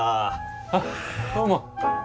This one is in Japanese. あっどうも。